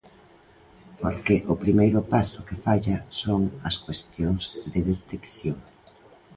Porque o primeiro paso que falla son as cuestións de detección.